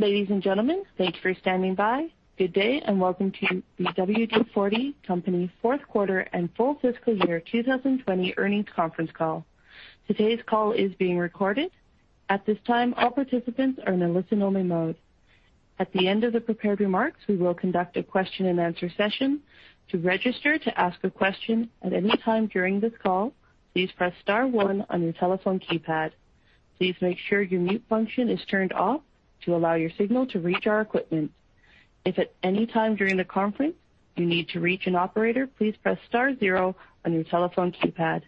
Ladies and gentlemen, thanks for standing by. Good day, and welcome to the WD-40 Company fourth quarter and full fiscal year 2020 earnings conference call. Today's call is being recorded. At this time, all participants are in a listen-only mode. At the end of the prepared remarks, we will conduct a question and answer session. To register to ask a question at any time during this call, please press star one on your telephone keypad. Please make sure your mute function is turned off to allow your signal to reach our equipment. If at any time during the conference, you need to reach an operator, please press star zero on your telephone keypad.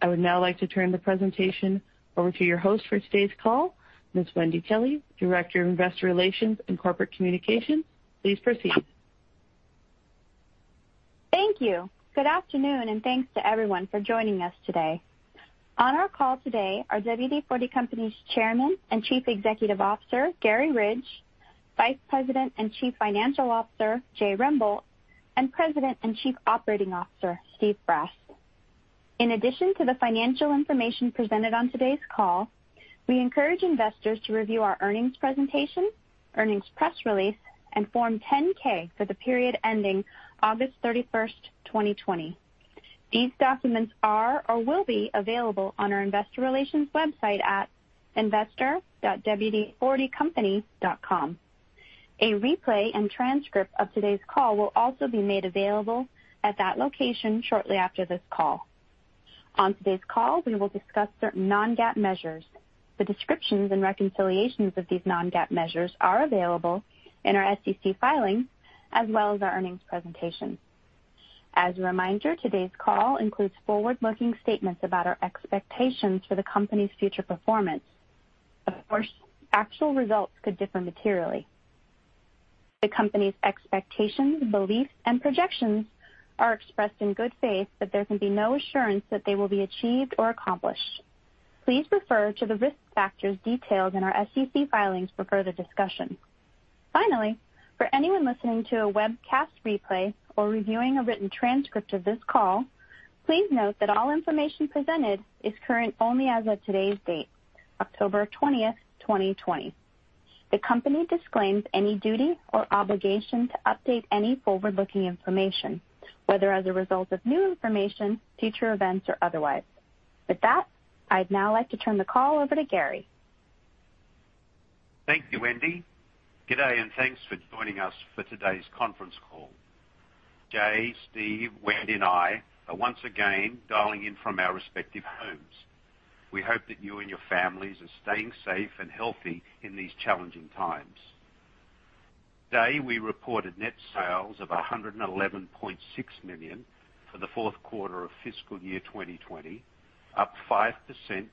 I would now like to turn the presentation over to your host for today's call, Ms. Wendy Kelley, Director of Investor Relations and Corporate Communications. Please proceed. Thank you. Good afternoon, and thanks to everyone for joining us today. On our call today are WD-40 Company's Chairman and Chief Executive Officer, Garry Ridge, Vice President and Chief Financial Officer, Jay Rembolt, and President and Chief Operating Officer, Steve Brass. In addition to the financial information presented on today's call, we encourage investors to review our earnings presentation, earnings press release, and Form 10-K for the period ending August 31st, 2020. These documents are or will be available on our investor relations website at investor.wd40company.com. A replay and transcript of today's call will also be made available at that location shortly after this call. On today's call, we will discuss certain non-GAAP measures. The descriptions and reconciliations of these non-GAAP measures are available in our SEC filings, as well as our earnings presentation. As a reminder, today's call includes forward-looking statements about our expectations for the company's future performance. Of course, actual results could differ materially. The company's expectations, beliefs, and projections are expressed in good faith, but there can be no assurance that they will be achieved or accomplished. Please refer to the risk factors detailed in our SEC filings for further discussion. Finally, for anyone listening to a webcast replay or reviewing a written transcript of this call, please note that all information presented is current only as of today's date, October 20th, 2020. The company disclaims any duty or obligation to update any forward-looking information, whether as a result of new information, future events, or otherwise. With that, I'd now like to turn the call over to Garry. Thank you, Wendy. Good day, and thanks for joining us for today's conference call. Jay, Steve, Wendy, and I are once again dialing in from our respective homes. We hope that you and your families are staying safe and healthy in these challenging times. Today, we reported net sales of $111.6 million for the fourth quarter of fiscal year 2020, up 5%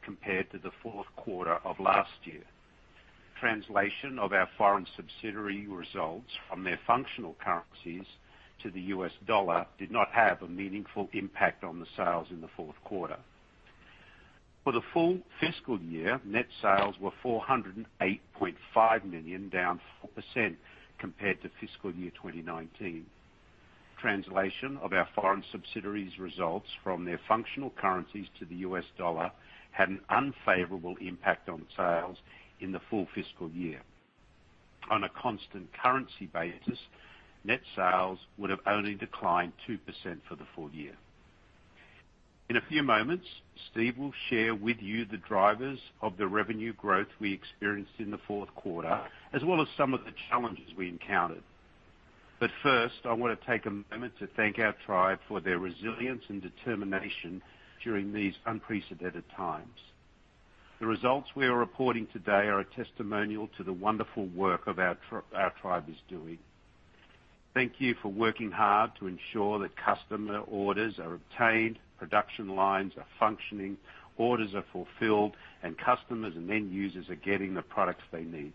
compared to the fourth quarter of last year. Translation of our foreign subsidiary results from their functional currencies to the U.S. dollar did not have a meaningful impact on the sales in the fourth quarter. For the full fiscal year, net sales were $408.5 million, down 4% compared to fiscal year 2019. Translation of our foreign subsidiaries results from their functional currencies to the U.S. dollar had an unfavorable impact on sales in the full fiscal year. On a constant currency basis, net sales would have only declined 2% for the full year. In a few moments, Steve will share with you the drivers of the revenue growth we experienced in the fourth quarter, as well as some of the challenges we encountered. First, I want to take a moment to thank our tribe for their resilience and determination during these unprecedented times. The results we are reporting today are a testimonial to the wonderful work our tribe is doing. Thank you for working hard to ensure that customer orders are obtained, production lines are functioning, orders are fulfilled, and customers and end users are getting the products they need.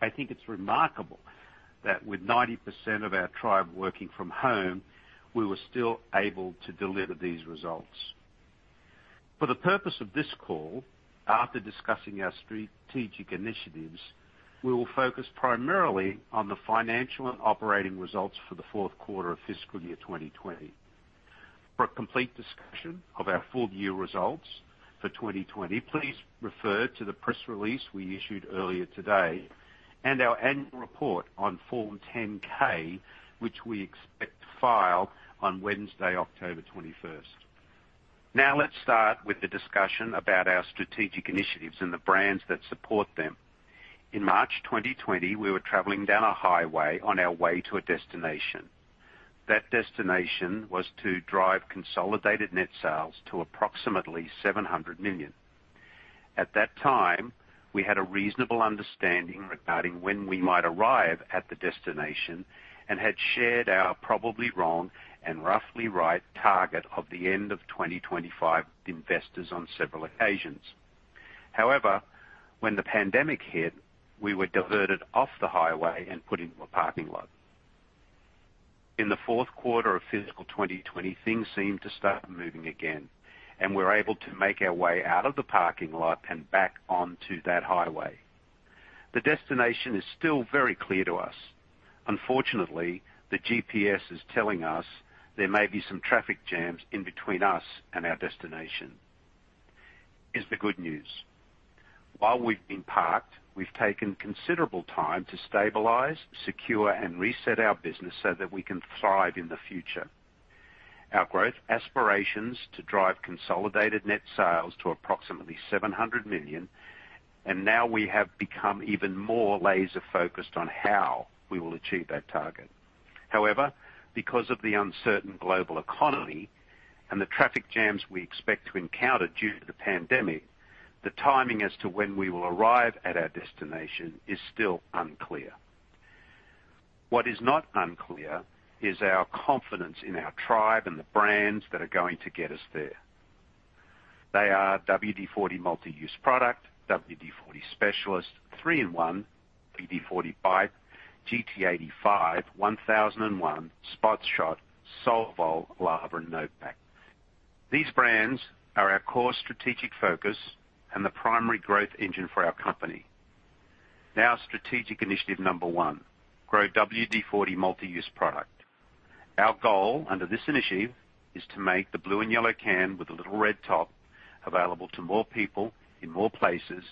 I think it's remarkable that with 90% of our tribe working from home, we were still able to deliver these results. For the purpose of this call, after discussing our strategic initiatives, we will focus primarily on the financial and operating results for the fourth quarter of fiscal year 2020. For a complete discussion of our full-year results for 2020, please refer to the press release we issued earlier today and our annual report on Form 10-K, which we expect to file on Wednesday, October 21st. Let's start with the discussion about our strategic initiatives and the brands that support them. In March 2020, we were traveling down a highway on our way to a destination. That destination was to drive consolidated net sales to approximately $700 million. At that time, we had a reasonable understanding regarding when we might arrive at the destination and had shared our probably wrong and roughly right target of the end of 2025 with investors on several occasions. However, when the pandemic hit, we were diverted off the highway and put into a parking lot. In the fourth quarter of fiscal 2020, things seemed to start moving again, and we were able to make our way out of the parking lot and back onto that highway. The destination is still very clear to us. Unfortunately, the GPS is telling us there may be some traffic jams in between us and our destination. [inaudible] is the good news. While we've been parked, we've taken considerable time to stabilize, secure, and reset our business so that we can thrive in the future. Our growth aspirations to drive consolidated net sales to approximately $700 million, and now we have become even more laser-focused on how we will achieve that target. However, because of the uncertain global economy and the traffic jams we expect to encounter due to the pandemic, the timing as to when we will arrive at our destination is still unclear. What is not unclear is our confidence in our tribe and the brands that are going to get us there. They are WD-40 Multi-Use Product, WD-40 Specialist, 3-IN-ONE, WD-40 Bike, GT85, 1001, Spot Shot, Solvol, Lava, no vac. These brands are our core strategic focus and the primary growth engine for our company. Now, strategic initiative number one, grow WD-40 Multi-Use Product. Our goal under this initiative is to make the blue and yellow can with a little red top available to more people in more places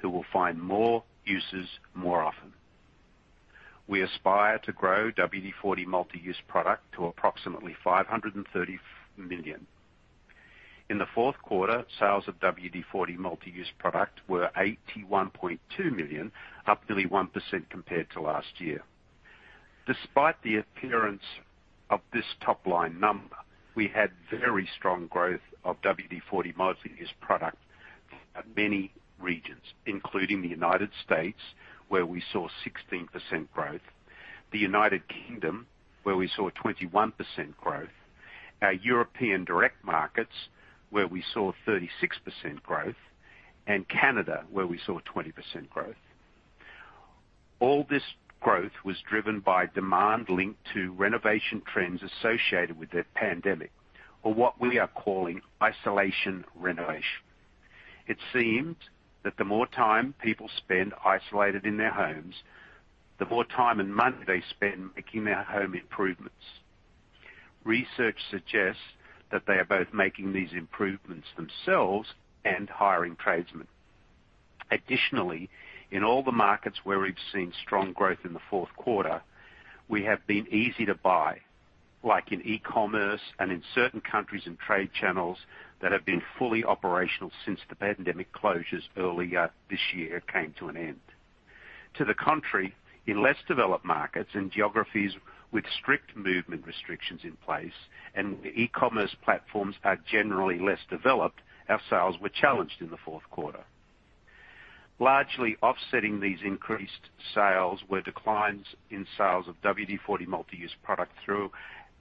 who will find more uses more often. We aspire to grow WD-40 Multi-Use Product to approximately $530 million. In the fourth quarter, sales of WD-40 Multi-Use Product were $81.2 million, up nearly 1% compared to last year. Despite the appearance of this top-line number, we had very strong growth of WD-40 Multi-Use Product at many regions, including the United States, where we saw 16% growth, the United Kingdom, where we saw 21% growth, our European direct markets, where we saw 36% growth, and Canada, where we saw 20% growth. All this growth was driven by demand linked to renovation trends associated with the pandemic, or what we are calling isolation renovation. It seemed that the more time people spend isolated in their homes, the more time and money they spend making their home improvements. Research suggests that they are both making these improvements themselves and hiring tradesmen. Additionally, in all the markets where we've seen strong growth in the fourth quarter, we have been easy to buy, like in e-commerce and in certain countries and trade channels that have been fully operational since the pandemic closures earlier this year came to an end. To the contrary, in less developed markets and geographies with strict movement restrictions in place and where e-commerce platforms are generally less developed, our sales were challenged in the fourth quarter. Largely offsetting these increased sales were declines in sales of WD-40 Multi-Use Product through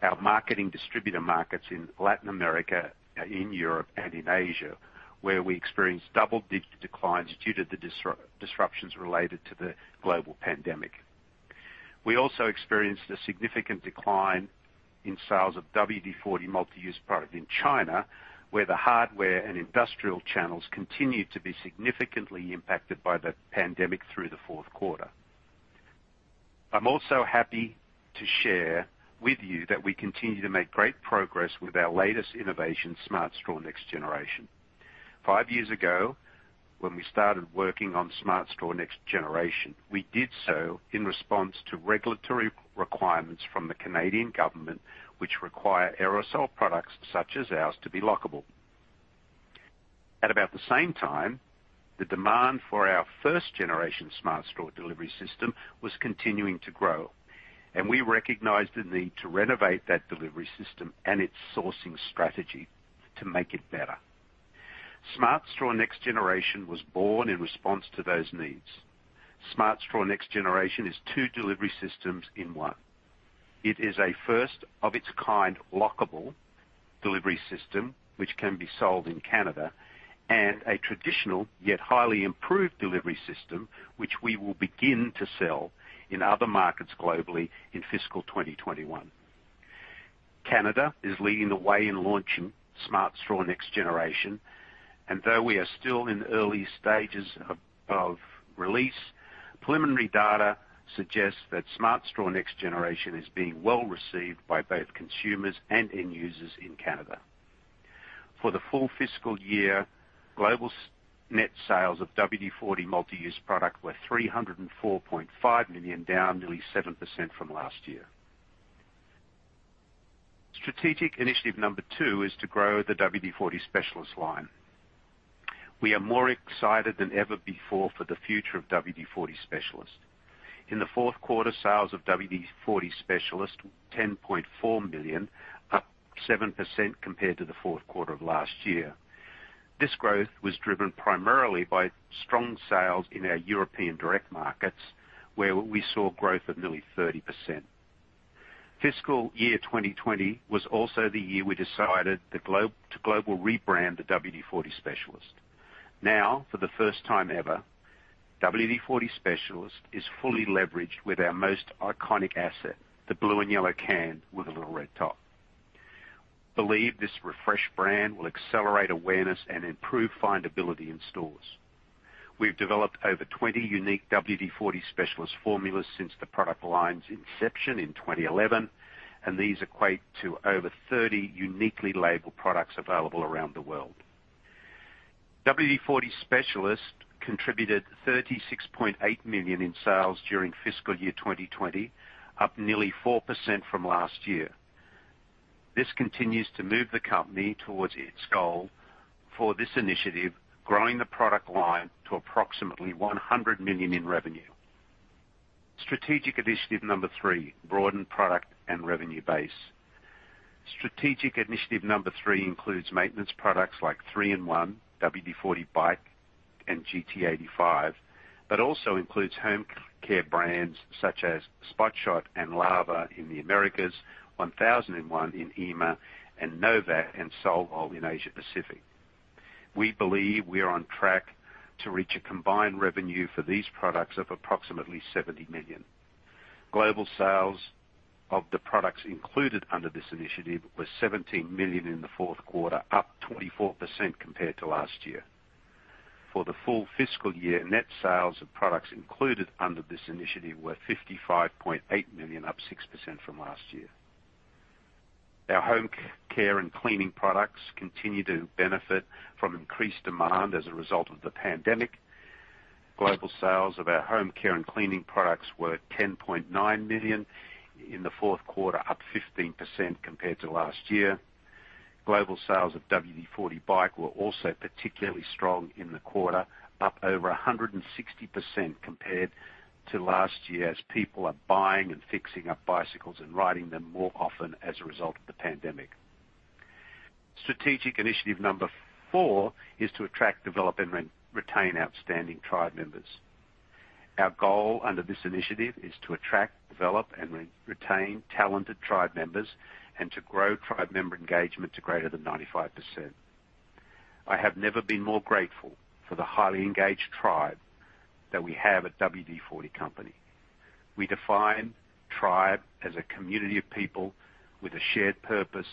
our marketing distributor markets in Latin America, in Europe, and in Asia, where we experienced double-digit declines due to the disruptions related to the global pandemic. We also experienced a significant decline in sales of WD-40 Multi-Use Product in China, where the hardware and industrial channels continued to be significantly impacted by the pandemic through the fourth quarter. I'm also happy to share with you that we continue to make great progress with our latest innovation, Smart Straw Next Generation. Five years ago, when we started working on Smart Straw Next Generation, we did so in response to regulatory requirements from the Canadian government, which require aerosol products such as ours to be lockable. At about the same time, the demand for our first generation Smart Straw delivery system was continuing to grow. We recognized the need to renovate that delivery system and its sourcing strategy to make it better. Smart Straw Next Generation was born in response to those needs. Smart Straw Next Generation is two delivery systems in one. It is a first of its kind lockable delivery system, which can be sold in Canada, and a traditional yet highly improved delivery system, which we will begin to sell in other markets globally in fiscal 2021. Canada is leading the way in launching Smart Straw Next Generation, and though we are still in early stages of release, preliminary data suggests that Smart Straw Next Generation is being well received by both consumers and end users in Canada. For the full fiscal year, global net sales of WD-40 Multi-Use Product were $304.5 million, down nearly 7% from last year. Strategic initiative number two is to grow the WD-40 Specialist line. We are more excited than ever before for the future of WD-40 Specialist. In the fourth quarter, sales of WD-40 Specialist, $10.4 million, up 7% compared to the fourth quarter of last year. This growth was driven primarily by strong sales in our European direct markets, where we saw growth of nearly 30%. Fiscal year 2020 was also the year we decided to global rebrand the WD-40 Specialist. Now, for the first time ever, WD-40 Specialist is fully leveraged with our most iconic asset, the blue and yellow can with a little red top. We believe this refreshed brand will accelerate awareness and improve findability in stores. We've developed over 20 unique WD-40 Specialist formulas since the product line's inception in 2011, and these equate to over 30 uniquely labeled products available around the world. WD-40 Specialist contributed $36.8 million in sales during fiscal year 2020, up nearly 4% from last year. This continues to move the company towards its goal for this initiative, growing the product line to approximately $100 million in revenue. Strategic Initiative number three, broaden product and revenue base. Strategic initiative number three includes maintenance products like 3-IN-ONE, WD-40 Bike, and GT85, but also includes home care brands such as Spot Shot and Lava in the Americas, 1001 in EMEA, and no vac and Solvol in Asia Pacific. We believe we are on track to reach a combined revenue for these products of approximately $70 million. Global sales of the products included under this initiative was $17 million in the fourth quarter, up 24% compared to last year. For the full fiscal year, net sales of products included under this initiative were $55.8 million, up 6% from last year. Our home care and cleaning products continue to benefit from increased demand as a result of the pandemic. Global sales of our home care and cleaning products were $10.9 million in the fourth quarter, up 15% compared to last year. Global sales of WD-40 Bike were also particularly strong in the quarter, up over 160% compared to last year, as people are buying and fixing up bicycles and riding them more often as a result of the pandemic. Strategic initiative number four is to attract, develop, and retain outstanding tribe members. Our goal under this initiative is to attract, develop, and retain talented tribe members and to grow tribe member engagement to greater than 95%. I have never been more grateful for the highly engaged tribe that we have at WD-40 Company. We define tribe as a community of people with a shared purpose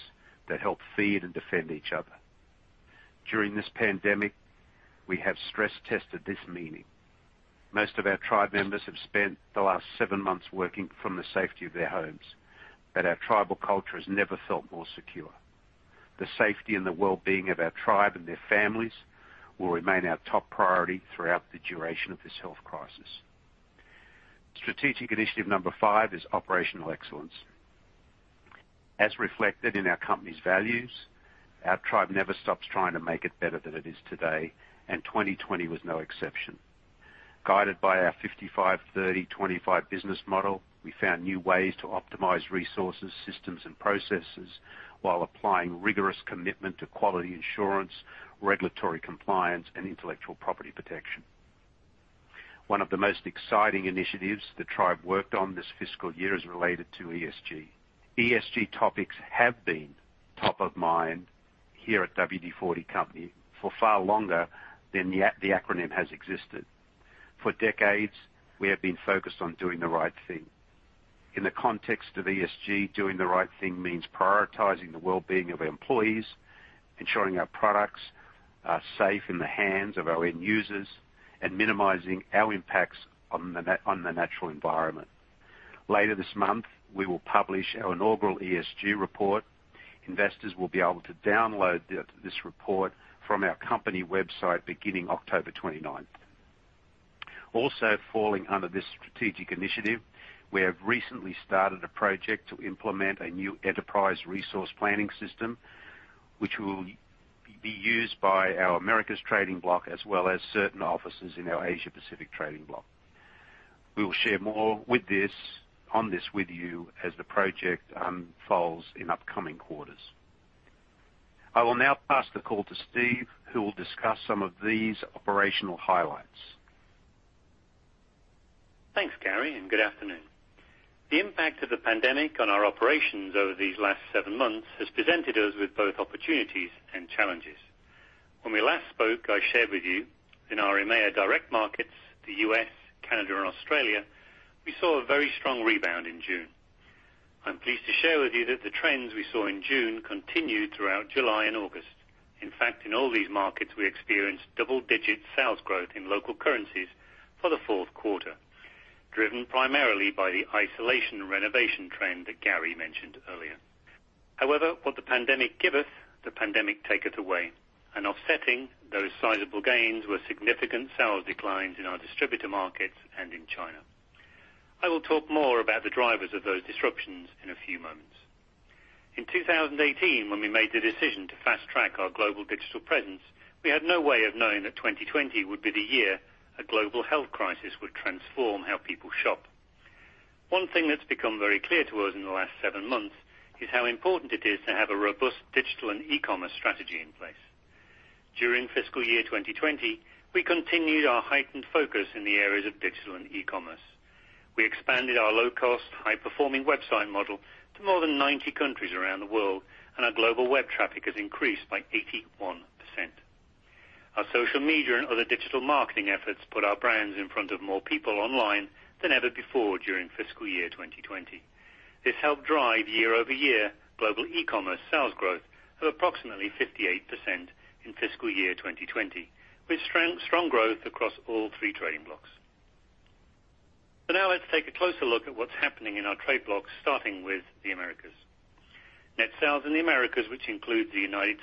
that help feed and defend each other. During this pandemic, we have stress-tested this meaning. Most of our tribe members have spent the last seven months working from the safety of their homes, but our tribal culture has never felt more secure. The safety and the wellbeing of our tribe and their families will remain our top priority throughout the duration of this health crisis. Strategic initiative number five is operational excellence. As reflected in our company's values, our tribe never stops trying to make it better than it is today, and 2020 was no exception. Guided by our 55:30:25 business model, we found new ways to optimize resources, systems, and processes while applying rigorous commitment to quality assurance, regulatory compliance, and intellectual property protection. One of the most exciting initiatives the tribe worked on this fiscal year is related to ESG. ESG topics have been top of mind here at WD-40 Company for far longer than the acronym has existed. For decades, we have been focused on doing the right thing. In the context of ESG, doing the right thing means prioritizing the wellbeing of our employees, ensuring our products are safe in the hands of our end users, and minimizing our impacts on the natural environment. Later this month, we will publish our inaugural ESG report. Investors will be able to download this report from our company website beginning October 29th. Also falling under this strategic initiative, we have recently started a project to implement a new enterprise resource planning system, which will be used by our Americas trading bloc, as well as certain offices in our Asia Pacific trading bloc. We will share more on this with you as the project unfolds in upcoming quarters. I will now pass the call to Steve, who will discuss some of these operational highlights. Thanks, Garry, and good afternoon. The impact of the pandemic on our operations over these last seven months has presented us with both opportunities and challenges. When we last spoke, I shared with you in our EMEA direct markets, the U.S., Canada, and Australia, we saw a very strong rebound in June. I'm pleased to share with you that the trends we saw in June continued throughout July and August. In fact, in all these markets, we experienced double-digit sales growth in local currencies for the fourth quarter, driven primarily by the isolation renovation trend that Garry mentioned earlier. However, what the pandemic giveth, the pandemic taketh away. Offsetting those sizable gains were significant sales declines in our distributor markets and in China. I will talk more about the drivers of those disruptions in a few moments. In 2018, when we made the decision to fast-track our global digital presence, we had no way of knowing that 2020 would be the year a global health crisis would transform how people shop. One thing that's become very clear to us in the last seven months is how important it is to have a robust digital and e-commerce strategy in place. During fiscal year 2020, we continued our heightened focus in the areas of digital and e-commerce. We expanded our low-cost, high-performing website model to more than 90 countries around the world, and our global web traffic has increased by 81%. Our social media and other digital marketing efforts put our brands in front of more people online than ever before during fiscal year 2020. This helped drive year-over-year global e-commerce sales growth of approximately 58% in fiscal year 2020, with strong growth across all three trading blocs. Now let's take a closer look at what's happening in our trade blocs, starting with the Americas. Net sales in the Americas, which include the U.S.,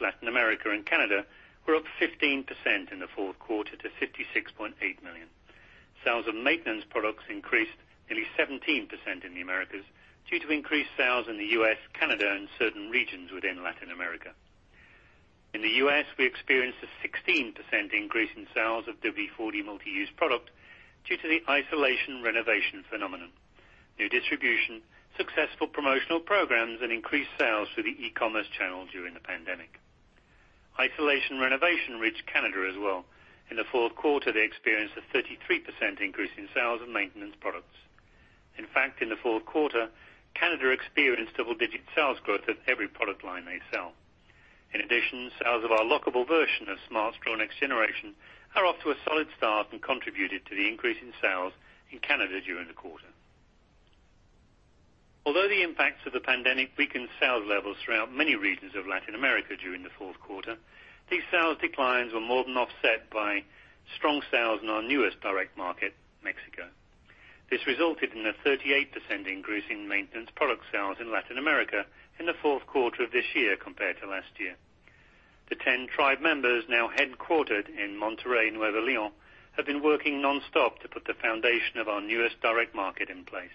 Latin America, and Canada, were up 15% in the fourth quarter to $56.8 million. Sales of maintenance products increased nearly 17% in the Americas due to increased sales in the U.S., Canada, and certain regions within Latin America. In the U.S., we experienced a 16% increase in sales of WD-40 Multi-Use Product due to the isolation renovation phenomenon, new distribution, successful promotional programs, and increased sales through the e-commerce channel during the pandemic. Isolation renovation reached Canada as well. In the fourth quarter, they experienced a 33% increase in sales of maintenance products. In fact, in the fourth quarter, Canada experienced double-digit sales growth of every product line they sell. In addition, sales of our lockable version of Smart Straw Next Generation are off to a solid start and contributed to the increase in sales in Canada during the quarter. Although the impacts of the pandemic weakened sales levels throughout many regions of Latin America during the fourth quarter, these sales declines were more than offset by strong sales in our newest direct market, Mexico. This resulted in a 38% increase in maintenance product sales in Latin America in the fourth quarter of this year compared to last year. The 10 tribe members, now headquartered in Monterrey, Nuevo León, have been working nonstop to put the foundation of our newest direct market in place.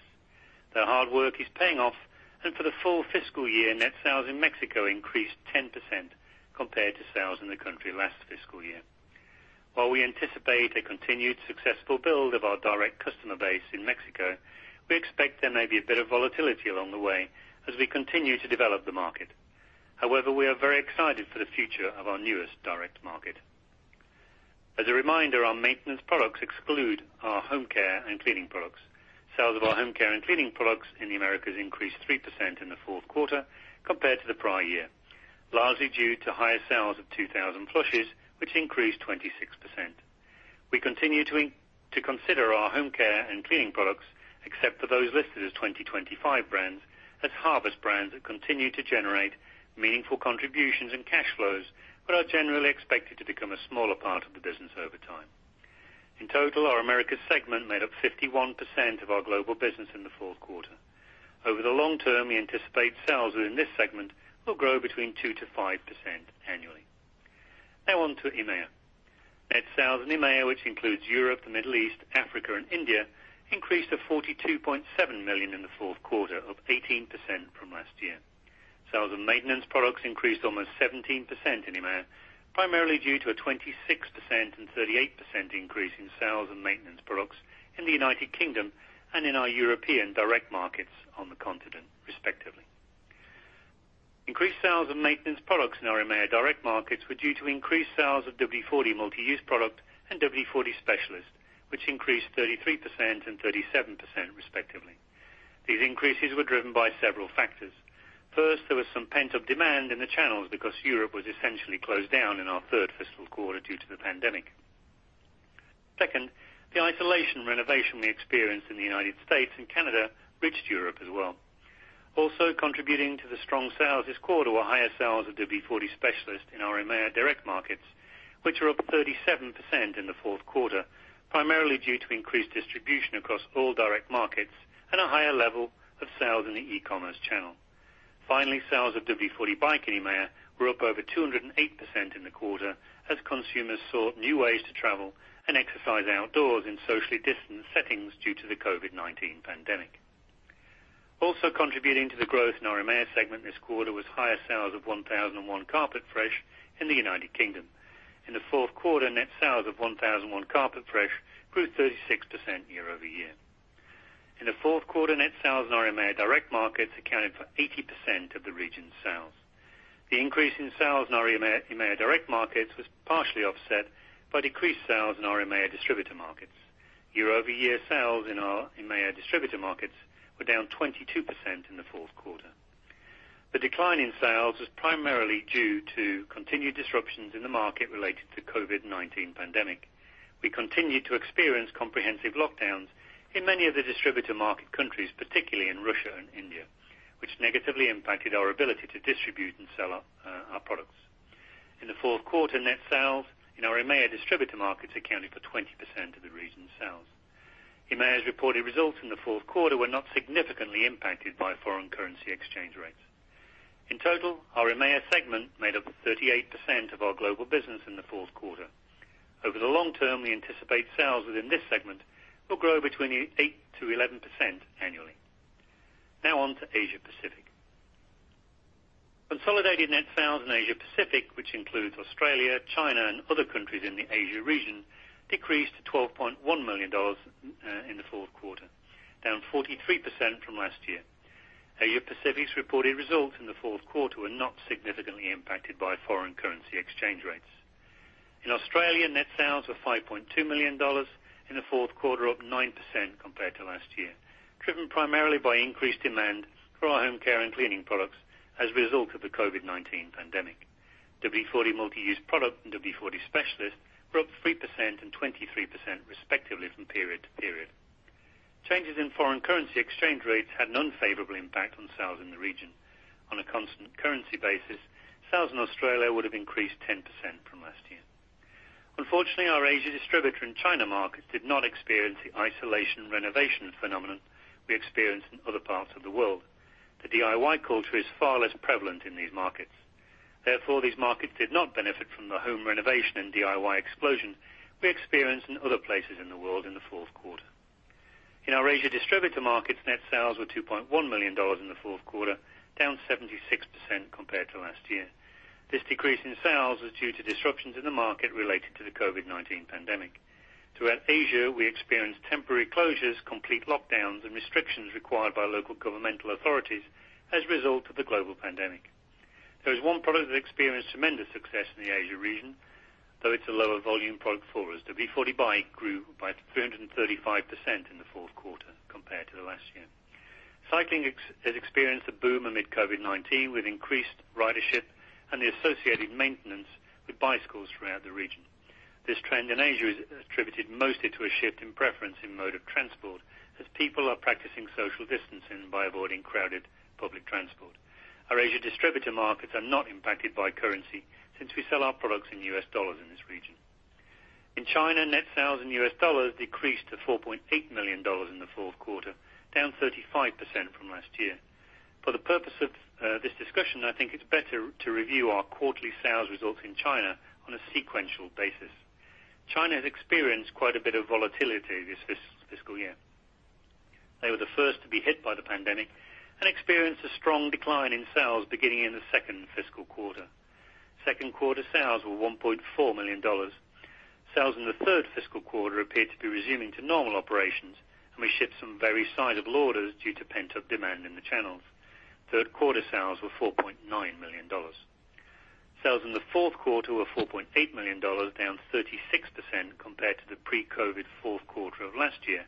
Their hard work is paying off. For the full fiscal year, net sales in Mexico increased 10% compared to sales in the country last fiscal year. While we anticipate a continued successful build of our direct customer base in Mexico, we expect there may be a bit of volatility along the way as we continue to develop the market. We are very excited for the future of our newest direct market. As a reminder, our maintenance products exclude our home care and cleaning products. Sales of our home care and cleaning products in the Americas increased 3% in the fourth quarter compared to the prior year, largely due to higher sales of 2000 Flushes, which increased 26%. We continue to consider our home care and cleaning products, except for those listed as 2025 brands, as harvest brands that continue to generate meaningful contributions and cash flows but are generally expected to become a smaller part of the business over time. In total, our Americas segment made up 51% of our global business in the fourth quarter. Over the long term, we anticipate sales within this segment will grow between 2%-5% annually. Now on to EMEA. Net sales in EMEA, which includes Europe, the Middle East, Africa, and India, increased to $42.7 million in the fourth quarter, up 18% from last year. Sales of maintenance products increased almost 17% in EMEA, primarily due to a 26% and 38% increase in sales and maintenance products in the United Kingdom and in our European direct markets on the continent, respectively. Increased sales and maintenance products in our EMEA direct markets were due to increased sales of WD-40 Multi-Use Product and WD-40 Specialist, which increased 33% and 37%, respectively. These increases were driven by several factors. First, there was some pent-up demand in the channels because Europe was essentially closed down in our third fiscal quarter due to the pandemic. Second, the isolation renovation we experienced in the United States and Canada reached Europe as well. Also contributing to the strong sales this quarter were higher sales of WD-40 Specialist in our EMEA direct markets, which are up 37% in the fourth quarter, primarily due to increased distribution across all direct markets and a higher level of sales in the e-commerce channel. Finally, sales of WD-40 Bike in EMEA were up over 208% in the quarter as consumers sought new ways to travel and exercise outdoors in socially distanced settings due to the COVID-19 pandemic. Also contributing to the growth in our EMEA segment this quarter was higher sales of 1001 Carpet Fresh in the United Kingdom. In the fourth quarter, net sales of 1001 Carpet Fresh grew 36% year-over-year. In the fourth quarter, net sales in our EMEA direct markets accounted for 80% of the region's sales. The increase in sales in our EMEA direct markets was partially offset by decreased sales in our EMEA distributor markets. Year-over-year sales in our EMEA distributor markets were down 22% in the fourth quarter. The decline in sales was primarily due to continued disruptions in the market related to COVID-19 pandemic. We continued to experience comprehensive lockdowns in many of the distributor market countries, particularly in Russia and India, which negatively impacted our ability to distribute and sell our products. In the fourth quarter, net sales in our EMEA distributor markets accounted for 20% of the region's sales. EMEA's reported results in the fourth quarter were not significantly impacted by foreign currency exchange rates. In total, our EMEA segment made up 38% of our global business in the fourth quarter. Over the long term, we anticipate sales within this segment will grow between 8%-11% annually. Now on to Asia Pacific. Consolidated net sales in Asia Pacific, which includes Australia, China, and other countries in the Asia region, decreased to $12.1 million in the fourth quarter, down 43% from last year. Asia Pacific's reported results in the fourth quarter were not significantly impacted by foreign currency exchange rates. In Australia, net sales were $5.2 million in the fourth quarter, up 9% compared to last year, driven primarily by increased demand for our home care and cleaning products as a result of the COVID-19 pandemic. WD-40 Multi-Use Product and WD-40 Specialist were up 3% and 23% respectively from period to period. Changes in foreign currency exchange rates had an unfavorable impact on sales in the region. On a constant currency basis, sales in Australia would have increased 10% from last year. Unfortunately, our Asia distributor and China market did not experience the isolation renovation phenomenon we experienced in other parts of the world. The DIY culture is far less prevalent in these markets. Therefore, these markets did not benefit from the home renovation and DIY explosion we experienced in other places in the world in the fourth quarter. In our Asia distributor markets, net sales were $2.1 million in the fourth quarter, down 76% compared to last year. This decrease in sales was due to disruptions in the market related to the COVID-19 pandemic. Throughout Asia, we experienced temporary closures, complete lockdowns, and restrictions required by local governmental authorities as a result of the global pandemic. There is one product that experienced tremendous success in the Asia region, though it's a lower volume product for us. The WD-40 Bike grew by 35% in the fourth quarter compared to last year. Cycling has experienced a boom amid COVID-19, with increased ridership and the associated maintenance with bicycles throughout the region. This trend in Asia is attributed mostly to a shift in preference in mode of transport, as people are practicing social distancing by avoiding crowded public transport. Our Asia distributor markets are not impacted by currency since we sell our products in U.S. dollars in this region. In China, net sales in U.S. dollars decreased to $4.8 million in the fourth quarter, down 35% from last year. For the purpose of this discussion, I think it's better to review our quarterly sales results in China on a sequential basis. China has experienced quite a bit of volatility this fiscal year. They were the first to be hit by the pandemic and experienced a strong decline in sales beginning in the second fiscal quarter. Second quarter sales were $1.4 million. Sales in the third fiscal quarter appeared to be resuming to normal operations, and we shipped some very sizable orders due to pent-up demand in the channels. Third quarter sales were $4.9 million. Sales in the fourth quarter were $4.8 million, down 36% compared to the pre-COVID fourth quarter of last year,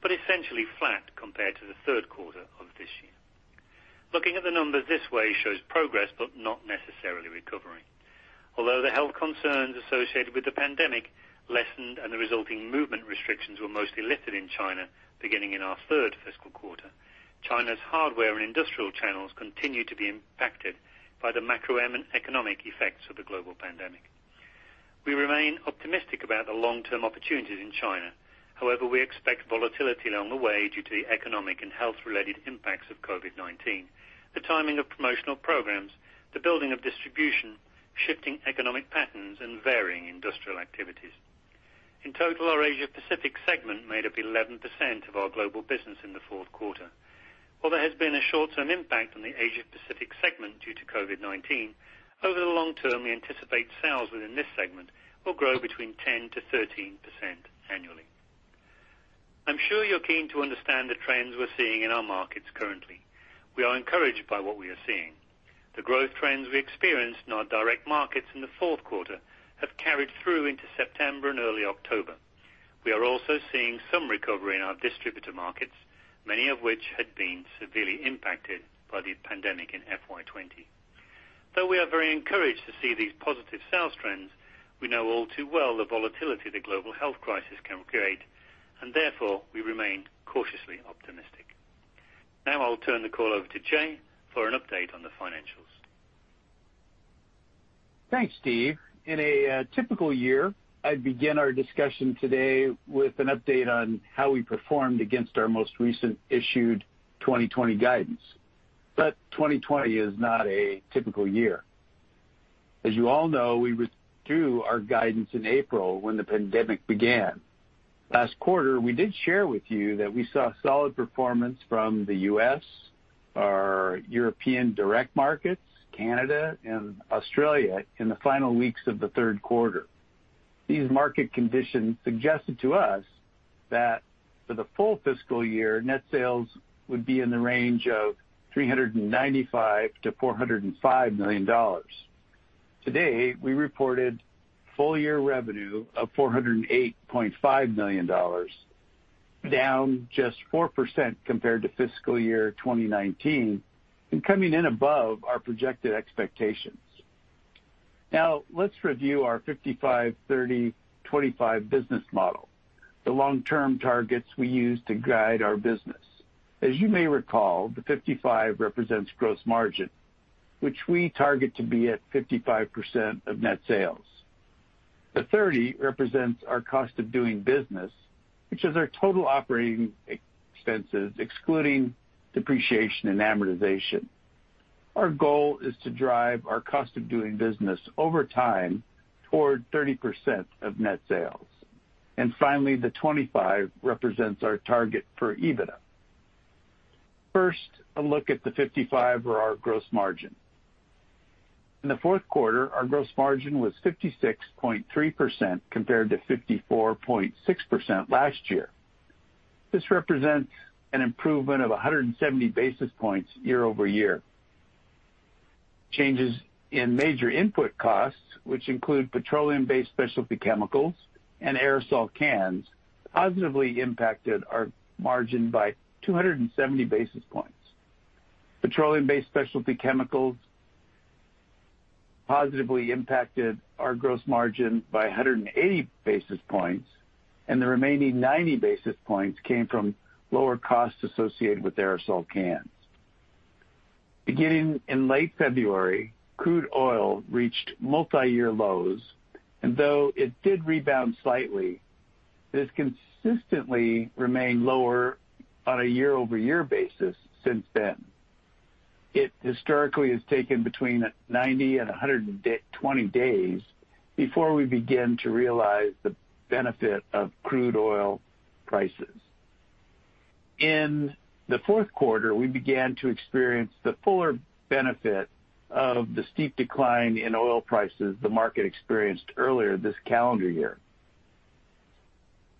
but essentially flat compared to the third quarter of this year. Looking at the numbers this way shows progress, but not necessarily recovery. Although the health concerns associated with the pandemic lessened and the resulting movement restrictions were mostly lifted in China beginning in our third fiscal quarter, China's hardware and industrial channels continue to be impacted by the macroeconomic effects of the global pandemic. We remain optimistic about the long-term opportunities in China. However, we expect volatility along the way due to the economic and health-related impacts of COVID-19, the timing of promotional programs, the building of distribution, shifting economic patterns, and varying industrial activities. In total, our Asia-Pacific segment made up 11% of our global business in the fourth quarter. While there has been a short-term impact on the Asia-Pacific segment due to COVID-19, over the long term, we anticipate sales within this segment will grow between 10%-13% annually. I'm sure you're keen to understand the trends we're seeing in our markets currently. We are encouraged by what we are seeing. The growth trends we experienced in our direct markets in the fourth quarter have carried through into September and early October. We are also seeing some recovery in our distributor markets, many of which had been severely impacted by the pandemic in FY 2020. Though we are very encouraged to see these positive sales trends, we know all too well the volatility the global health crisis can create, and therefore, we remain cautiously optimistic. Now, I'll turn the call over to Jay for an update on the financials. Thanks, Steve. In a typical year, I'd begin our discussion today with an update on how we performed against our most recent issued 2020 guidance. 2020 is not a typical year. As you all know, we withdrew our guidance in April when the pandemic began. Last quarter, we did share with you that we saw solid performance from the U.S., our European direct markets, Canada, and Australia in the final weeks of the third quarter. These market conditions suggested to us that for the full fiscal year, net sales would be in the range of $395 million-$405 million. Today, we reported full year revenue of $408.5 million, down just 4% compared to fiscal year 2019, and coming in above our projected expectations. Let's review our 55:30:25 business model, the long-term targets we use to guide our business. As you may recall, the 55% represents gross margin, which we target to be at 55% of net sales. The 30% represents our cost of doing business, which is our total operating expenses, excluding depreciation and amortization. Our goal is to drive our cost of doing business over time toward 30% of net sales. Finally, the 25% represents our target for EBITDA. First, a look at the 55% or our gross margin. In the fourth quarter, our gross margin was 56.3% compared to 54.6% last year. This represents an improvement of 170 basis points year-over-year. Changes in major input costs, which include petroleum-based specialty chemicals and aerosol cans, positively impacted our margin by 270 basis points. Petroleum-based specialty chemicals positively impacted our gross margin by 180 basis points, and the remaining 90 basis points came from lower costs associated with aerosol cans. Beginning in late February, crude oil reached multi-year lows, and though it did rebound slightly, it has consistently remained lower on a year-over-year basis since then. It historically has taken between 90 and 120 days before we begin to realize the benefit of crude oil prices. In the fourth quarter, we began to experience the fuller benefit of the steep decline in oil prices the market experienced earlier this calendar year.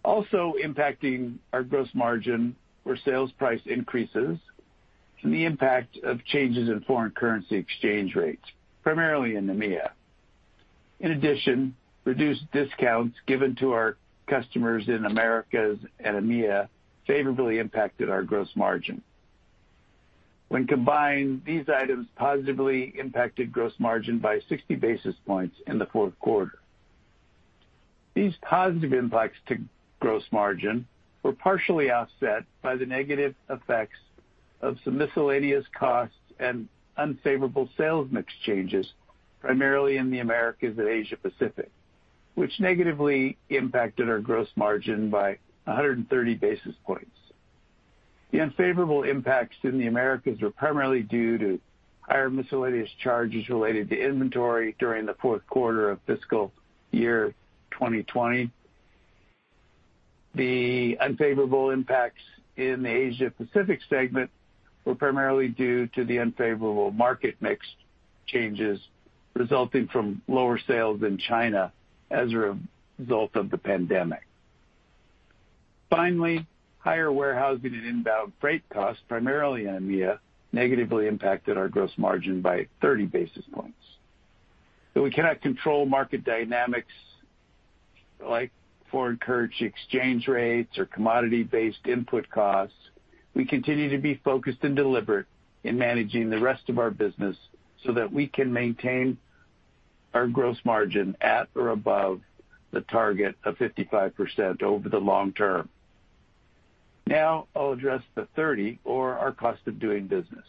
Impacting our gross margin were sales price increases and the impact of changes in foreign currency exchange rates, primarily in EMEA. Reduced discounts given to our customers in Americas and EMEA favorably impacted our gross margin. When combined, these items positively impacted gross margin by 60 basis points in the fourth quarter. These positive impacts to gross margin were partially offset by the negative effects of some miscellaneous costs and unfavorable sales mix changes, primarily in the Americas and Asia Pacific, which negatively impacted our gross margin by 130 basis points. The unfavorable impacts in the Americas were primarily due to higher miscellaneous charges related to inventory during the fourth quarter of fiscal year 2020. The unfavorable impacts in the Asia Pacific segment were primarily due to the unfavorable market mix changes resulting from lower sales in China as a result of the pandemic. Finally, higher warehousing and inbound freight costs, primarily in EMEA, negatively impacted our gross margin by 30 basis points. Though we cannot control market dynamics like foreign currency exchange rates or commodity-based input costs, we continue to be focused and deliberate in managing the rest of our business so that we can maintain our gross margin at or above the target of 55% over the long term. I'll address the 30%, or our cost of doing business.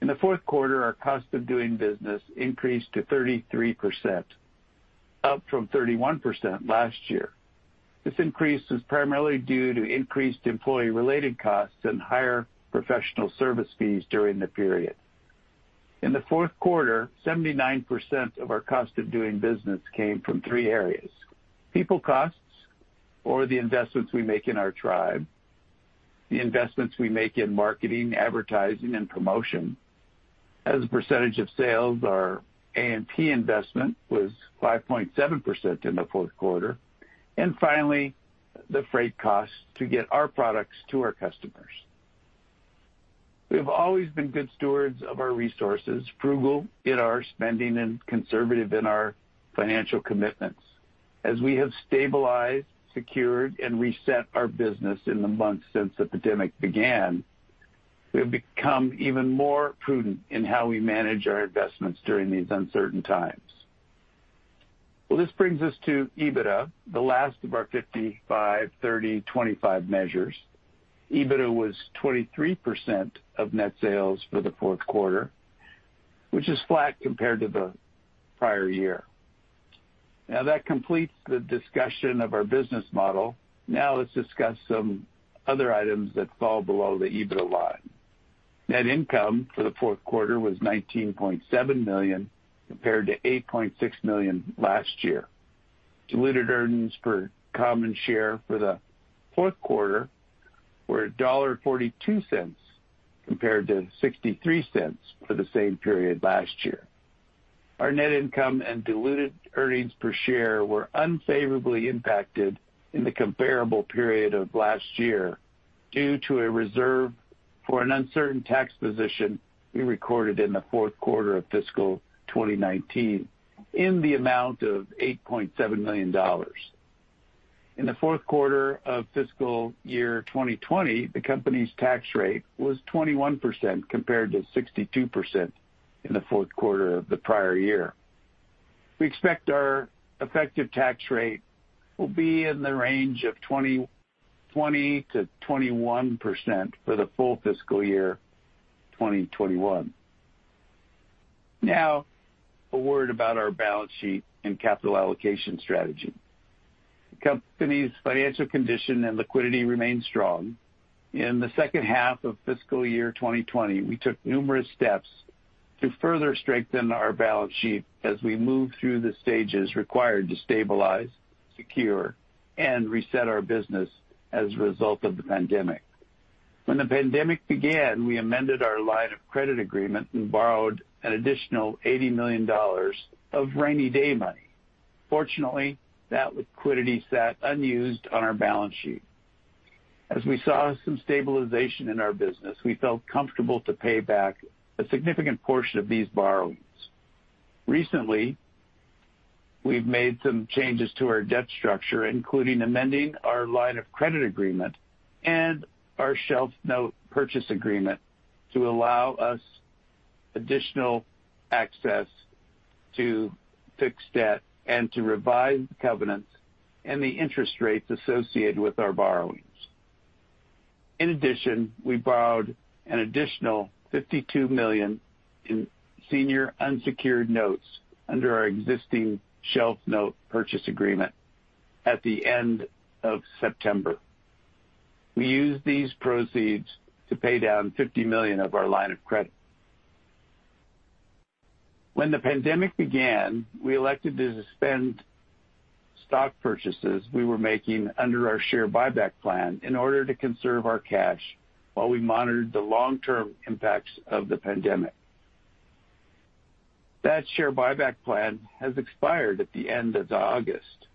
In the fourth quarter, our cost of doing business increased to 33%, up from 31% last year. This increase was primarily due to increased employee-related costs and higher professional service fees during the period. In the fourth quarter, 79% of our cost of doing business came from three areas: people costs, or the investments we make in our tribe; the investments we make in marketing, advertising, and promotion. As a percentage of sales, our A&P investment was 5.7% in the fourth quarter. Finally, the freight costs to get our products to our customers. We have always been good stewards of our resources, frugal in our spending, and conservative in our financial commitments. As we have stabilized, secured, and reset our business in the months since the pandemic began, we have become even more prudent in how we manage our investments during these uncertain times. Well, this brings us to EBITDA, the last of our 55:30:25 measures. EBITDA was 23% of net sales for the fourth quarter, which is flat compared to the prior year. That completes the discussion of our business model. Let's discuss some other items that fall below the EBITDA line. Net income for the fourth quarter was $19.7 million, compared to $8.6 million last year. Diluted earnings per common share for the fourth quarter were $1.42, compared to $0.63 for the same period last year. Our net income and diluted earnings per share were unfavorably impacted in the comparable period of last year due to a reserve for an uncertain tax position we recorded in the fourth quarter of fiscal 2019 in the amount of $8.7 million. In the fourth quarter of fiscal year 2020, the company's tax rate was 21% compared to 62% in the fourth quarter of the prior year. We expect our effective tax rate will be in the range of 20%-21% for the full fiscal year 2021. A word about our balance sheet and capital allocation strategy. The company's financial condition and liquidity remain strong. In the second half of fiscal year 2020, we took numerous steps to further strengthen our balance sheet as we moved through the stages required to stabilize, secure, and reset our business as a result of the pandemic. When the pandemic began, we amended our line of credit agreement and borrowed an additional $80 million of rainy day money. Fortunately, that liquidity sat unused on our balance sheet. As we saw some stabilization in our business, we felt comfortable to pay back a significant portion of these borrowings. Recently, we've made some changes to our debt structure, including amending our line of credit agreement and our shelf note purchase agreement to allow us additional access to fixed debt and to revise covenants and the interest rates associated with our borrowings. In addition, we borrowed an additional $52 million in senior unsecured notes under our existing shelf note purchase agreement at the end of September. We used these proceeds to pay down $50 million of our line of credit. When the pandemic began, we elected to suspend stock purchases we were making under our share buyback plan in order to conserve our cash while we monitored the long-term impacts of the pandemic. That share buyback plan has expired at the end of August,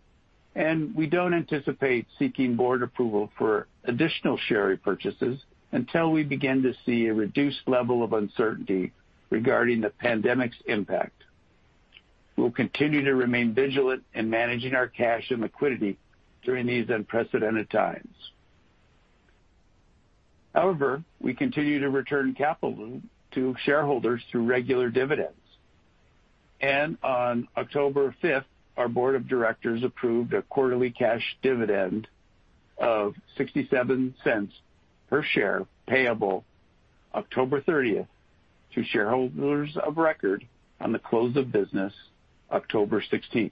and we don't anticipate seeking board approval for additional share repurchases until we begin to see a reduced level of uncertainty regarding the pandemic's impact. We'll continue to remain vigilant in managing our cash and liquidity during these unprecedented times. However, we continue to return capital to shareholders through regular dividends. On October 5th, our board of directors approved a quarterly cash dividend of $0.67 per share, payable October 30th, to shareholders of record on the close of business October 16th.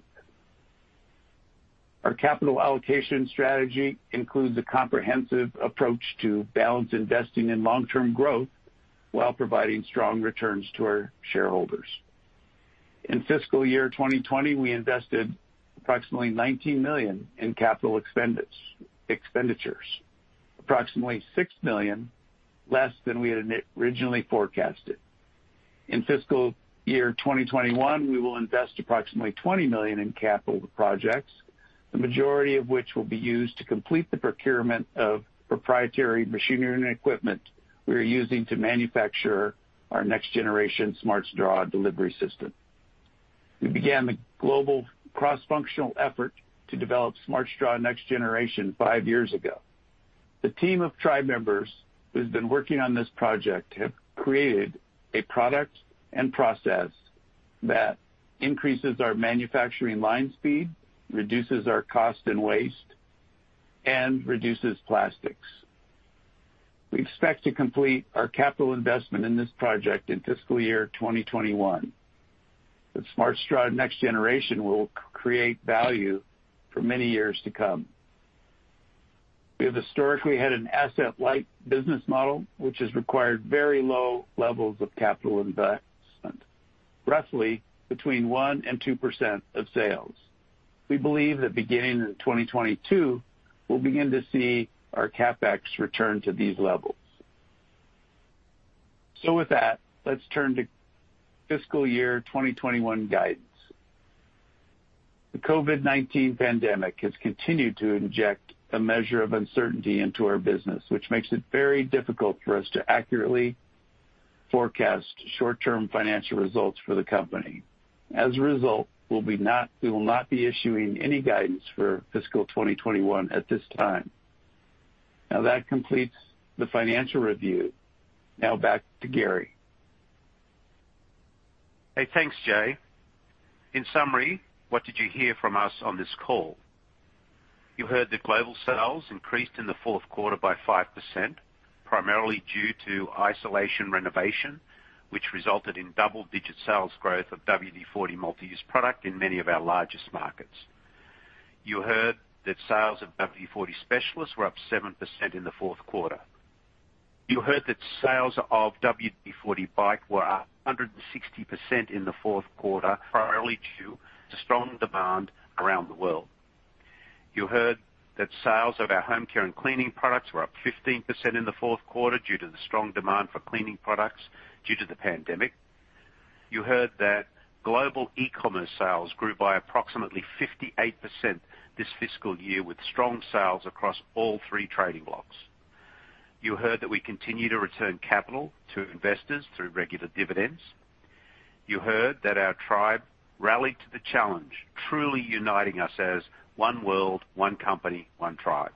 Our capital allocation strategy includes a comprehensive approach to balanced investing and long-term growth while providing strong returns to our shareholders. In fiscal year 2020, we invested approximately $19 million in capital expenditures, approximately $6 million less than we had originally forecasted. In fiscal year 2021, we will invest approximately $20 million in capital projects, the majority of which will be used to complete the procurement of proprietary machinery and equipment we are using to manufacture our Next Generation Smart Straw delivery system. We began the global cross-functional effort to develop Smart Straw Next Generation five years ago. The team of Tribe members who's been working on this project have created a product and process that increases our manufacturing line speed, reduces our cost and waste, and reduces plastics. We expect to complete our capital investment in this project in fiscal year 2021, that Smart Straw Next Generation will create value for many years to come. We have historically had an asset-light business model, which has required very low levels of capital investment, roughly between 1% and 2% of sales. We believe that beginning in 2022, we'll begin to see our CapEx return to these levels. With that, let's turn to fiscal year 2021 guidance. The COVID-19 pandemic has continued to inject a measure of uncertainty into our business, which makes it very difficult for us to accurately forecast short-term financial results for the company. As a result, we will not be issuing any guidance for fiscal 2021 at this time. That completes the financial review. Back to Garry. Hey, thanks, Jay. In summary, what did you hear from us on this call? You heard that global sales increased in the fourth quarter by 5%, primarily due to isolation renovation, which resulted in double-digit sales growth of WD-40 Multi-Use Product in many of our largest markets. You heard that sales of WD-40 Specialist were up 7% in the fourth quarter. You heard that sales of WD-40 Bike were up 160% in the fourth quarter, primarily due to strong demand around the world. You heard that sales of our home care and cleaning products were up 15% in the fourth quarter due to the strong demand for cleaning products due to the pandemic. You heard that global e-commerce sales grew by approximately 58% this fiscal year, with strong sales across all three trading blocs. You heard that we continue to return capital to investors through regular dividends. You heard that our Tribe rallied to the challenge, truly uniting us as "One World, One Company, One Tribe."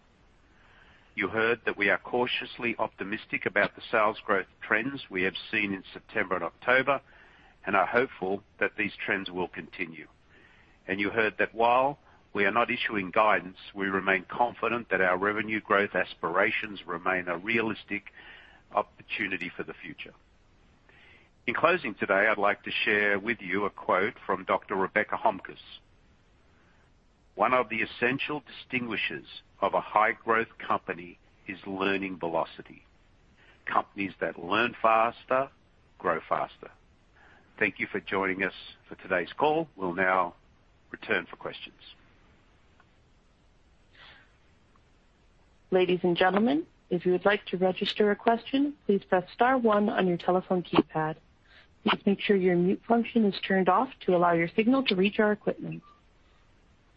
You heard that we are cautiously optimistic about the sales growth trends we have seen in September and October and are hopeful that these trends will continue. You heard that while we are not issuing guidance, we remain confident that our revenue growth aspirations remain a realistic opportunity for the future. In closing today, I'd like to share with you a quote from Dr. Rebecca Homkes, "One of the essential distinctions of a high-growth company is learning velocity. Companies that learn faster, grow faster." Thank you for joining us for today's call. We'll now return for questions.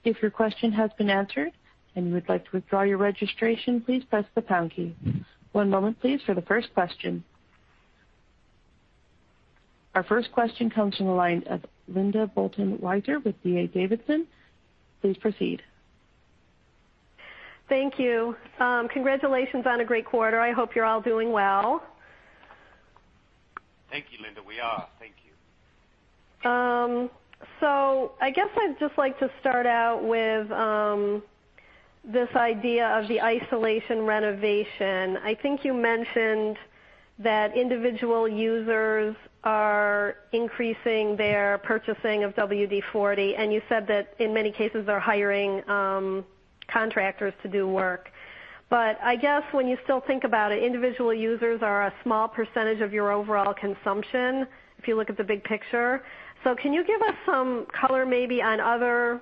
One moment, please, for the first question. Our first question comes from the line of Linda Bolton Weiser with D.A. Davidson. Please proceed. Thank you. Congratulations on a great quarter. I hope you're all doing well. Thank you, Linda. We are. Thank you. I guess I'd just like to start out with this idea of the isolation renovation. I think you mentioned that individual users are increasing their purchasing of WD-40, and you said that in many cases, they're hiring contractors to do work. I guess when you still think about it, individual users are a small percentage of your overall consumption, if you look at the big picture. Can you give us some color maybe on other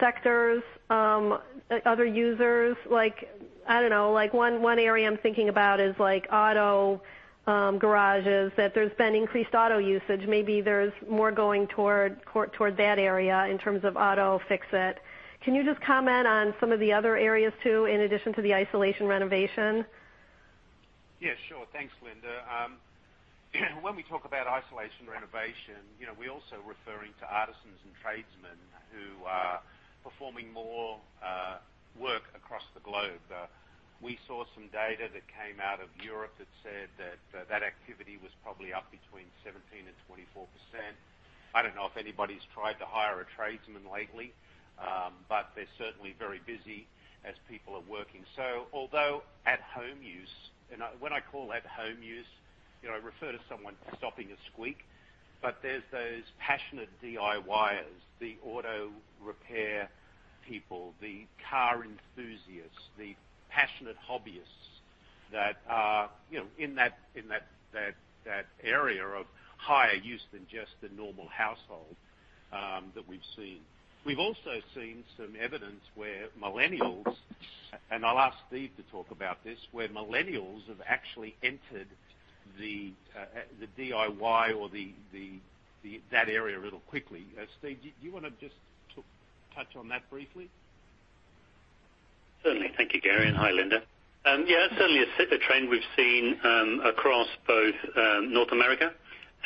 sectors, other users? One area I'm thinking about is auto garages, that there's been increased auto usage. Maybe there's more going toward that area in terms of auto fix-it. Can you just comment on some of the other areas, too, in addition to the isolation renovation? Yeah, sure. Thanks, Linda. When we talk about isolation renovation, we're also referring to artisans and tradesmen who are performing more work across the globe. We saw some data that came out of Europe that said that activity was probably up between 17% and 24%. I don't know if anybody's tried to hire a tradesman lately, but they're certainly very busy as people are working. Although at-home use, and when I call at-home use, I refer to someone stopping a squeak. There's those passionate DIYers, the auto repair people, the car enthusiasts, the passionate hobbyists that are in that area of higher use than just the normal household that we've seen. We've also seen some evidence where millennials, and I'll ask Steve to talk about this, where millennials have actually entered the DIY or that area real quickly. Steve, do you want to just touch on that briefly? Certainly. Thank you, Garry, and hi, Linda. Yeah, certainly a trend we've seen across both North America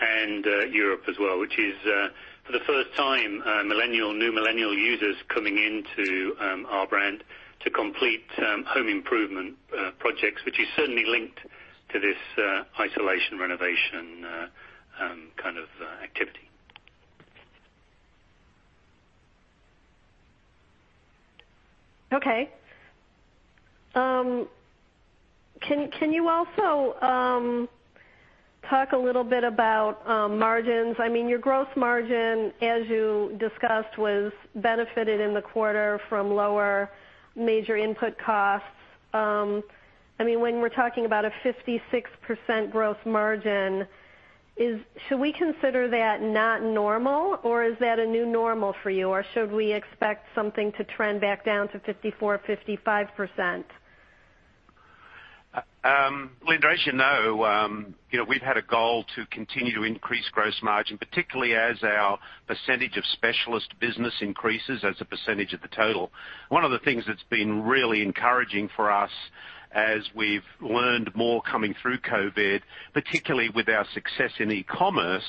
and Europe as well, which is for the first time, new millennial users coming into our brand to complete home improvement projects, which is certainly linked to this isolation renovation kind of activity. Okay. Can you also talk a little bit about margins? Your gross margin, as you discussed, was benefited in the quarter from lower major input costs. When we're talking about a 56% gross margin, should we consider that not normal, or is that a new normal for you? Or should we expect something to trend back down to 54%-55%? Linda, as you know, we've had a goal to continue to increase gross margin, particularly as our percentage of Specialist business increases as a percentage of the total. One of the things that's been really encouraging for us, as we've learned more coming through COVID-19, particularly with our success in e-commerce,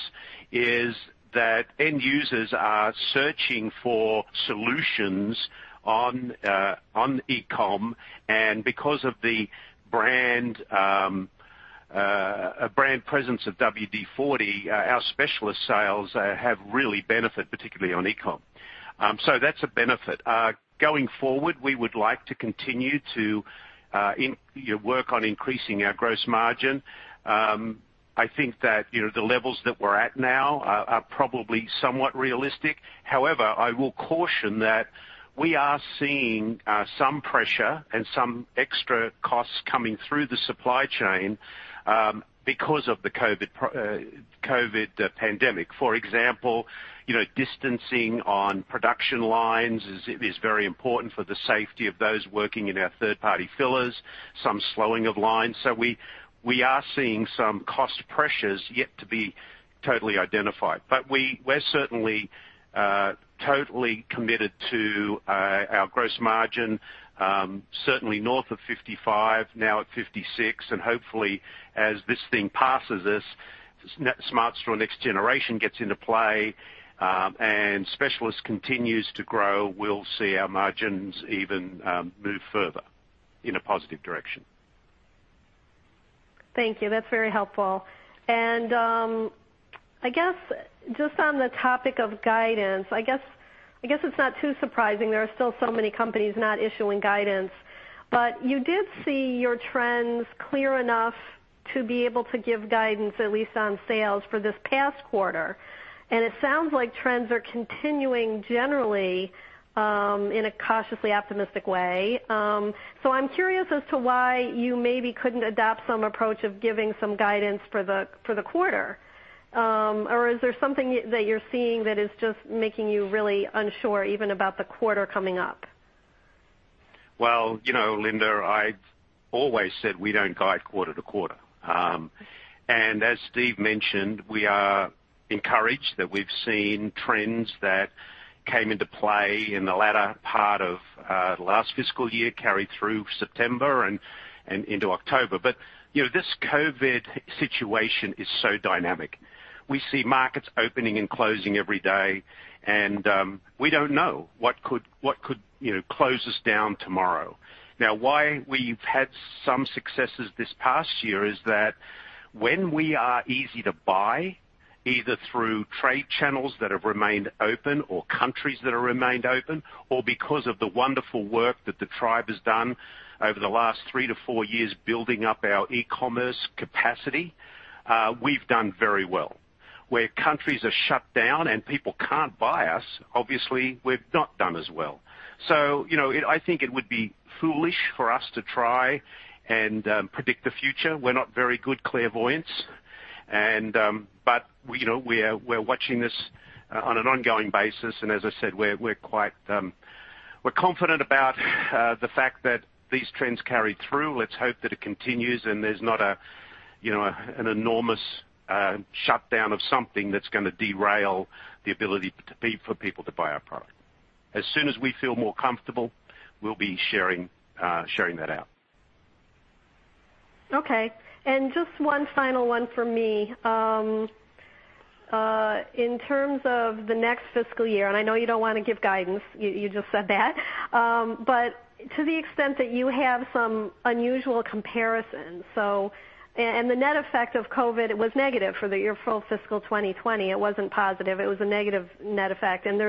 is that end users are searching for solutions on e-com. Because of the brand presence of WD-40, our Specialist sales have really benefited, particularly on e-com. That's a benefit. Going forward, we would like to continue to work on increasing our gross margin. I think that the levels that we're at now are probably somewhat realistic. However, I will caution that we are seeing some pressure and some extra costs coming through the supply chain because of the COVID-19 pandemic. For example, distancing on production lines is very important for the safety of those working in our third-party fillers, some slowing of lines. We are seeing some cost pressures yet to be totally identified. We're certainly totally committed to our gross margin, certainly north of 55%, now at 56%. Hopefully, as this thing passes, Smart Straw Next Generation gets into play, and Specialist continues to grow, we'll see our margins even move further in a positive direction. Thank you. That's very helpful. Just on the topic of guidance, I guess it's not too surprising there are still so many companies not issuing guidance. You did see your trends clear enough to be able to give guidance, at least on sales, for this past quarter. It sounds like trends are continuing generally in a cautiously optimistic way. I'm curious as to why you maybe couldn't adopt some approach of giving some guidance for the quarter. Is there something that you're seeing that is just making you really unsure even about the quarter coming up? Well, Linda, I've always said we don't guide quarter to quarter. As Steve mentioned, we are encouraged that we've seen trends that came into play in the latter part of last fiscal year, carry through September and into October. This COVID situation is so dynamic. We see markets opening and closing every day, and we don't know what could close us down tomorrow. Now, why we've had some successes this past year is that when we are easy to buy, either through trade channels that have remained open, or countries that have remained open, or because of the wonderful work that the tribe has done over the last three to four years building up our e-commerce capacity, we've done very well. Where countries are shut down and people can't buy us, obviously, we've not done as well. I think it would be foolish for us to try and predict the future. We're not very good clairvoyants. We're watching this on an ongoing basis, and as I said, we're confident about the fact that these trends carry through. Let's hope that it continues and there's not an enormous shutdown of something that's going to derail the ability for people to buy our product. As soon as we feel more comfortable, we'll be sharing that out. Okay. Just one final one from me. In terms of the next fiscal year, and I know you don't want to give guidance, you just said that. To the extent that you have some unusual comparisons, and the net effect of COVID-19 was negative for the full fiscal 2020. It wasn't positive. It was a negative net effect, and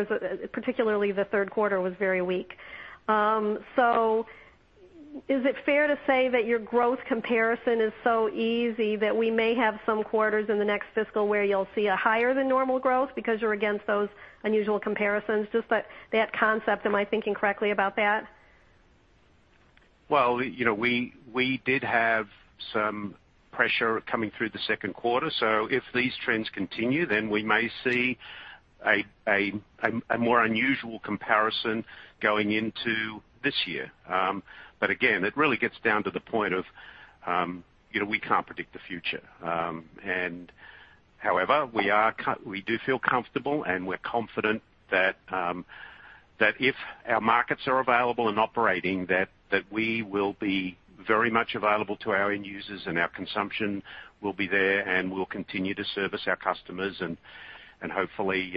particularly the third quarter was very weak. Is it fair to say that your growth comparison is so easy that we may have some quarters in the next fiscal where you'll see a higher than normal growth because you're against those unusual comparisons? Just that concept, am I thinking correctly about that? Well, we did have some pressure coming through the second quarter. If these trends continue, then we may see a more unusual comparison going into this year. Again, it really gets down to the point of we can't predict the future. However, we do feel comfortable and we're confident that if our markets are available and operating, that we will be very much available to our end users and our consumption will be there, and we'll continue to service our customers and hopefully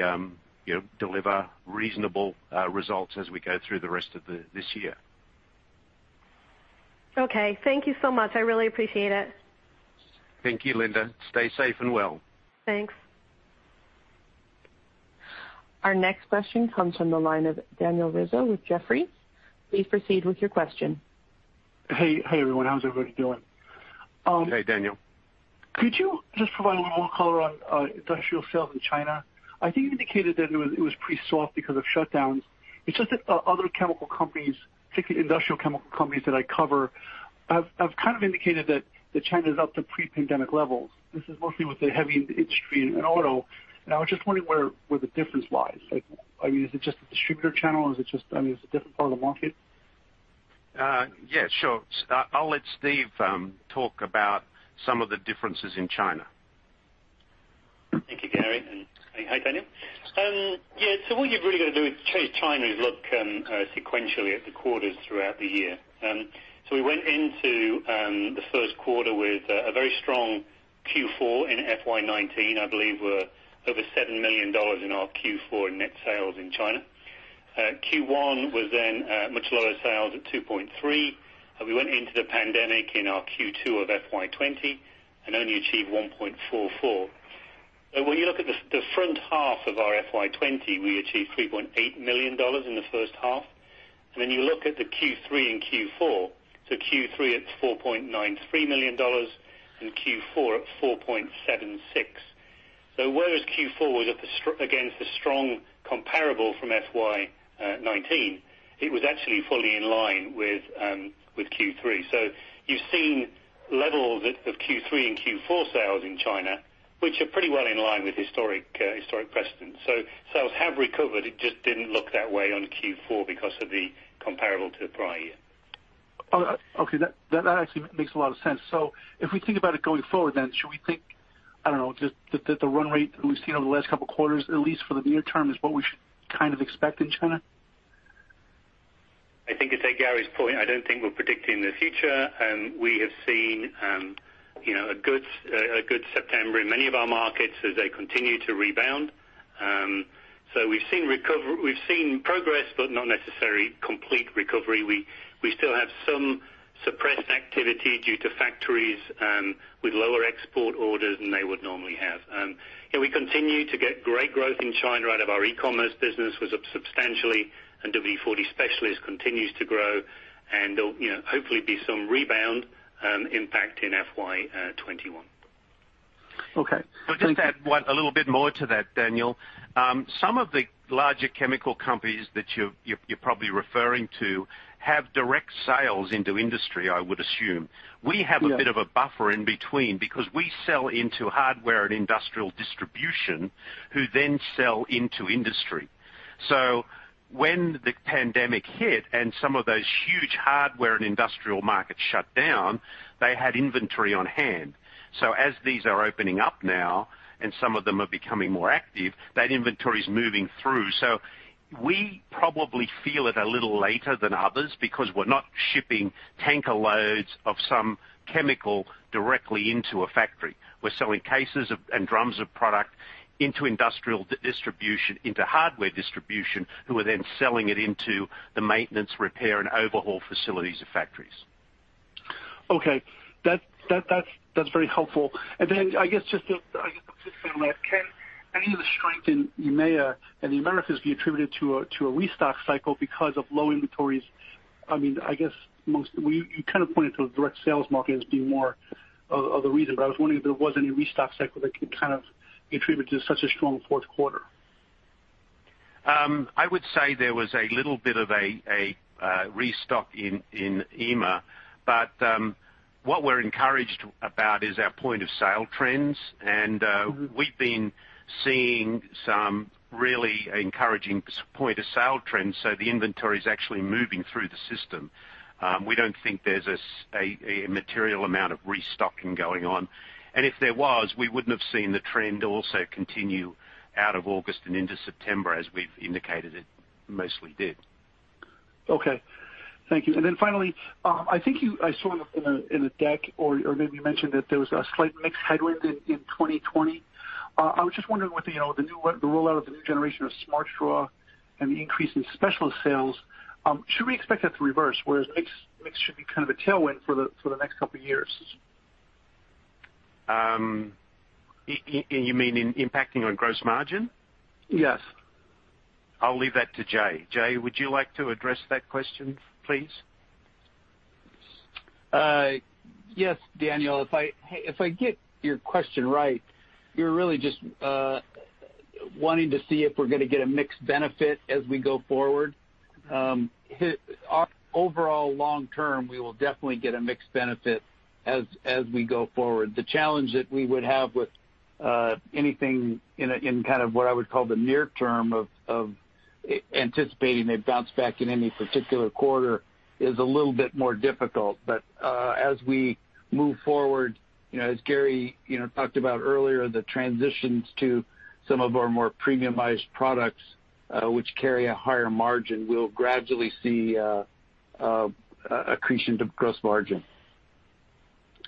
deliver reasonable results as we go through the rest of this year. Okay. Thank you so much. I really appreciate it. Thank you, Linda. Stay safe and well. Thanks. Our next question comes from the line of Daniel Rizzo with Jefferies. Please proceed with your question. Hey, everyone. How's everybody doing? Hey, Daniel. Could you just provide a little more color on industrial sales in China? I think you indicated that it was pretty soft because of shutdowns. It's just that other chemical companies, particularly industrial chemical companies that I cover, have kind of indicated that China is up to pre-pandemic levels. This is mostly with the heavy industry and auto, and I was just wondering where the difference lies. Is it just the distributor channel? Is it just a different part of the market? Yeah, sure. I'll let Steve talk about some of the differences in China. Thank you, Garry. Hi, Daniel. What you've really got to do with China is look sequentially at the quarters throughout the year. We went into the first quarter with a very strong Q4 in FY 2019. I believe we're over $7 million in our Q4 in net sales in China. Q1 was much lower sales at $2.3 million. We went into the pandemic in our Q2 of FY 2020 and only achieved $1.44 million. When you look at the front half of our FY 2020, we achieved $3.8 million in the first half. You look at the Q3 and Q4, Q3 at $4.93 million and Q4 at $4.76 million. Whereas Q4 was against the strong comparable from FY 2019, it was actually fully in line with Q3. You've seen levels of Q3 and Q4 sales in China, which are pretty well in line with historic precedence. Sales have recovered. It just didn't look that way on Q4 because of the comparable to the prior year. Okay. That actually makes a lot of sense. If we think about it going forward, then, should we think, I don't know, just that the run rate that we've seen over the last couple of quarters, at least for the near term, is what we should kind of expect in China? I think to take Garry's point, I don't think we're predicting the future. We have seen a good September in many of our markets as they continue to rebound. We've seen progress, but not necessarily complete recovery. We still have some suppressed activity due to factories with lower export orders than they would normally have. We continue to get great growth in China out of our e-commerce business, was up substantially, and WD-40 Specialist continues to grow, and there'll hopefully be some rebound impact in FY 2021. Okay. I'll just add a little bit more to that, Daniel. Some of the larger chemical companies that you're probably referring to have direct sales into industry, I would assume. Yeah. We have a bit of a buffer in between because we sell into hardware and industrial distribution who then sell into industry. When the pandemic hit and some of those huge hardware and industrial markets shut down, they had inventory on hand. As these are opening up now, and some of them are becoming more active, that inventory is moving through. We probably feel it a little later than others because we're not shipping tanker loads of some chemical directly into a factory. We're selling cases and drums of product into industrial distribution, into hardware distribution, who are then selling it into the maintenance, repair, and overhaul facilities of factories. Okay. That's very helpful. I guess just to stay on that, can any of the strength in EMEA and the Americas be attributed to a restock cycle because of low inventories? I guess, you kind of pointed to the direct sales market as being more of the reason, but I was wondering if there was any restock cycle that could kind of be attributed to such a strong fourth quarter. I would say there was a little bit of a restock in EMEA. What we're encouraged about is our point of sale trends. We've been seeing some really encouraging point of sale trends. The inventory's actually moving through the system. We don't think there's a material amount of restocking going on. If there was, we wouldn't have seen the trend also continue out of August and into September, as we've indicated it mostly did. Okay. Thank you. Finally, I think I saw in the deck, or maybe you mentioned that there was a slight mix headwind in 2020. I was just wondering with the rollout of the new generation of Smart Straw and the increase in Specialist sales, should we expect that to reverse? Whereas mix should be kind of a tailwind for the next couple of years. You mean impacting on gross margin? Yes. I'll leave that to Jay. Jay, would you like to address that question, please? Yes, Daniel. If I get your question right, you're really just wanting to see if we're going to get a mix benefit as we go forward. Overall long term, we will definitely get a mix benefit as we go forward. The challenge that we would have with anything in what I would call the near term of anticipating a bounce back in any particular quarter is a little bit more difficult. As we move forward, as Garry talked about earlier, the transitions to some of our more premiumized products, which carry a higher margin, we'll gradually see accretion to gross margin.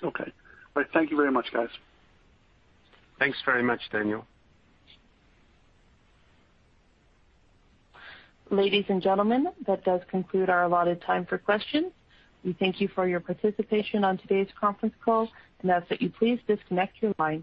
Okay. All right. Thank you very much, guys. Thanks very much, Daniel. Ladies and gentlemen, that does conclude our allotted time for questions. We thank you for your participation on today's conference call, and ask that you please disconnect your lines.